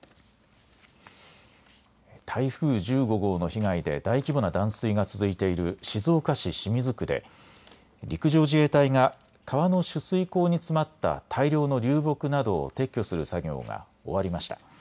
台風１５号の被害で大規模な断水が続いている静岡市清水区で陸上自衛隊が川の取水口に詰まった大量の流木などを撤去する作業が終わりました。